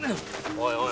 おいおい